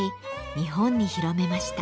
日本に広めました。